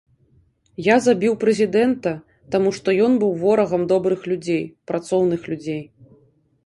Я забіў прэзідэнта, таму што ён быў ворагам добрых людзей, працоўных людзей.